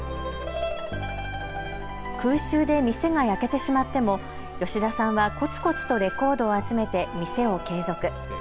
空襲で店が焼けてしまっても吉田さんはこつこつとレコードを集めて店を継続。